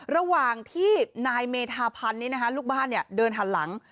ระหว่างที่นายเมธาพันธ์ลูกบ้านเดินหันหลัง